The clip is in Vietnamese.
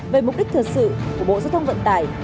về mục đích thật sự của bộ giao thông vận tải